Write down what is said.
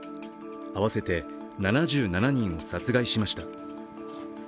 合わせて７７人を殺害しました。